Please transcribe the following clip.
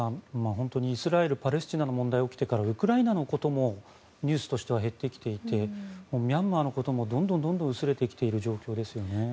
本当にイスラエル、パレスチナの問題が起きてからウクライナのこともニュースとしては減ってきていてミャンマーのことも、どんどん薄れてきている状況ですよね。